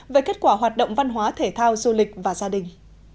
về kết quả hoạt động văn hóa thể thao du lịch và gia đình